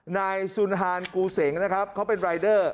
นายสุนฮานกูเสงนะครับเขาเป็นรายเดอร์